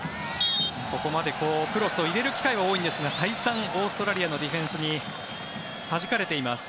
ここまでクロスを入れる機会は多いんですが再三、オーストラリアのディフェンスにはじかれています。